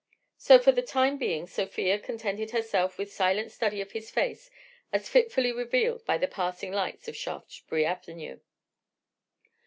So for the time being Sofia contented herself with silent study of his face as fitfully revealed by the passing lights of Shaftesbury Avenue.